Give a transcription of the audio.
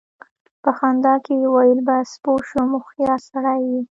په خندا کې يې وويل: بس! پوه شوم، هوښيار سړی يې!